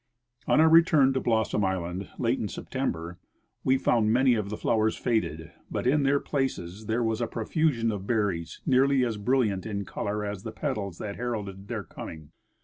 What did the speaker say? On our return to Blossom island, late in September, Ave found many of the floAvers faded, but in their places there was a pro fusion of berries nearly as brilliant in color as the petals that heralded their coming.